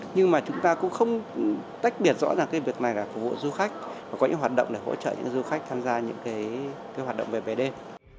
nhưng mà chúng ta cũng không tách biệt rõ ràng cái việc này là phục vụ du khách và có những hoạt động để hỗ trợ những du khách tham gia những cái hoạt động về đêm